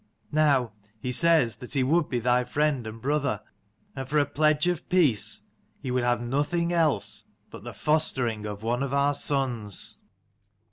Now he says that he would be thy friend and brother; and for a pledge of our peace, he would have nothing else but the fostering of one of our sons."